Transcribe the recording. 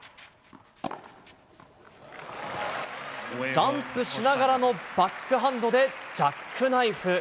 ジャンプしながらのバックハンドでジャックナイフ。